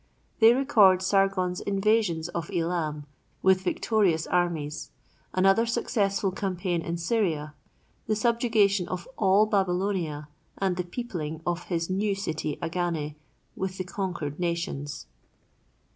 They record Sargon's invasions of Elam with victorious armies, another successful campaign in Syria, the subjugation of all Babylonia and the peopling of his new city, Agane, with the conquered nations.